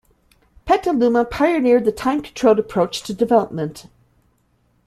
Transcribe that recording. Petaluma pioneered the time-controlled approach to development.